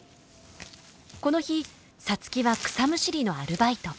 この日皐月は草むしりのアルバイト。